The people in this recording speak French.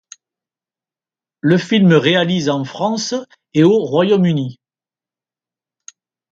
Le film réalise en France et au Royaume-Uni.